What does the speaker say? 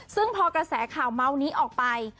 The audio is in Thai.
ซึ่งพอกระแสข่าวเมาส์นี้ออกไป